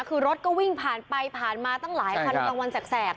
คือรถก็วิ่งผ่านไปผ่านมาตั้งหลายคันกลางวันแสก